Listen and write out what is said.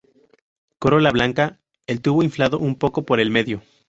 Corola blanca, el tubo inflado un poco por el medio.